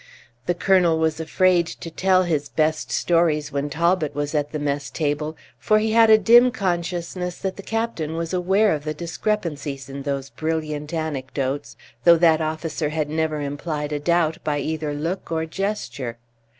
The colonel was afraid to tell his best stories when Talbot was at the mess table, for he had a dim consciousness that the captain was aware of the discrepancies in those brilliant anecdotes, though that officer had never implied a doubt by either look or gesture.